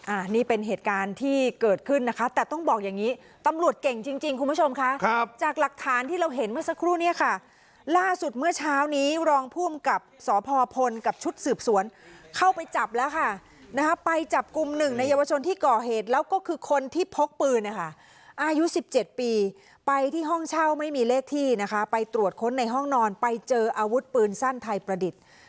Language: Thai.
อ่านี่เป็นเหตุการณ์ที่เกิดขึ้นนะคะแต่ต้องบอกอย่างงี้ตำรวจเก่งจริงจริงคุณผู้ชมค่ะครับจากหลักฐานที่เราเห็นเมื่อสักครู่เนี่ยค่ะล่าสุดเมื่อเช้านี้รองพูมกับสอพพลกับชุดสืบสวนเข้าไปจับแล้วค่ะนะคะไปจับกลุ่มหนึ่งในเยาวชนที่เกาะเหตุแล้วก็คือคนที่พกปืนนะคะอายุสิบเจ็ดปีไปที่ห้องเช่าไม